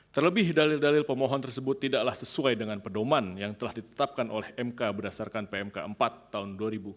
terlebih dalil dalil pemohon tersebut tidaklah sesuai dengan pedoman yang telah ditetapkan oleh mk berdasarkan pmk empat tahun dua ribu dua